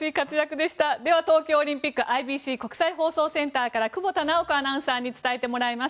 では、東京オリンピックＩＢＣ・国際放送センターから久保田直子アナウンサーに伝えてもらいます。